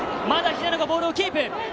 まだ肥田野がボールをキープ。